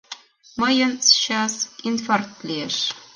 Мыйын счас инфаркт лиеш!